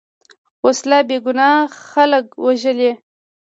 وسله بېګناه خلک وژلي